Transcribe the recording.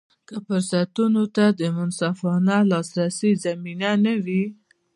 که فرصتونو ته د منصفانه لاسرسي زمینه نه وي.